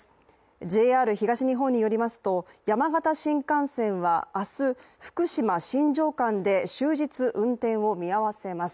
ＪＲ東日本によりますと山形新幹線は明日、福島−新庄間で終日運転を見合わせます。